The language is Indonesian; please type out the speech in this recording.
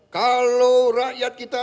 kalau rakyat kita